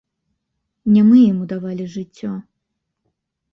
Не мы яму давалі жыццё.